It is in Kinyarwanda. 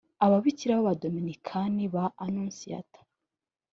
ababikira b abadominikani ba anonsiyata